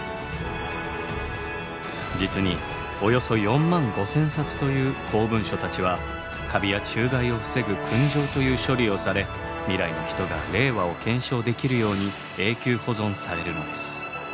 実におよそ４万５，０００冊という公文書たちはカビや虫害を防ぐくん蒸という処理をされ未来の人が令和を検証できるように永久保存されるのです。